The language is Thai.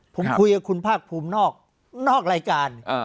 ผมคุยกับคุณภาคภูมินอกรายการ